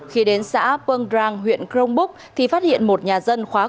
khi đến xã pâng rang huyện crong búc thì phát hiện một nhà dân khóa cổ